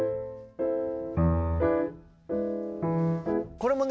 これもね